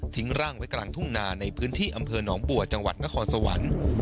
ร่างไว้กลางทุ่งนาในพื้นที่อำเภอหนองบัวจังหวัดนครสวรรค์